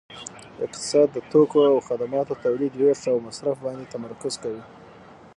اقتصاد د توکو او خدماتو تولید ویش او مصرف باندې تمرکز کوي